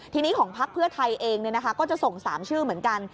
ทีนี้ของพักเพื่อไทยเองก็จะส่ง๓ชื่อเหมือนกัน